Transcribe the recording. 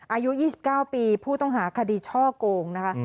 อายุ๒๙ปีผู้ต้องหาคดีช่อโกงนะคะ